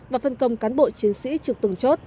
và phân công cán bộ chiến sĩ trực từng chốt